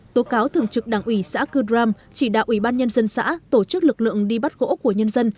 tố cáo thường trực đảng ủy xã cư đram chỉ đạo ủy ban nhân dân xã tổ chức lực lượng đi bắt gỗ của nhân dân